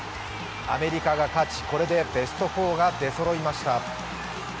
アメリカが勝ち、これでベスト４が出そろいました。